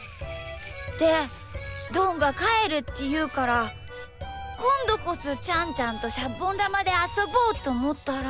でどんがかえるっていうからこんどこそちゃんちゃんとシャボンだまであそぼうとおもったら。